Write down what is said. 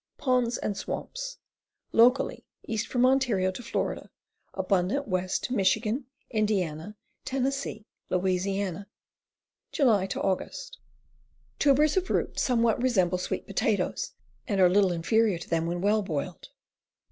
Ponds and swamps. Locally east from Ontario to Fla., abundant west to Mich., Ind. Ty., La. Jvly Aug. Tubers of root somewhat resemble sweet potatoes, and are little inferior to them when well boiled.